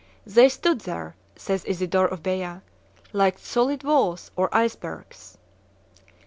"They stood there," says Isidore of Beja, "like solid walls or icebergs."